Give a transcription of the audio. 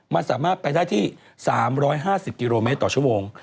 มันสามารถไปได้ที่๓๕๐กิโลเมตรต่อชั่วโมง